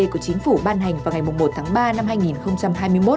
của chính phủ ban hành vào ngày một ba hai nghìn hai mươi một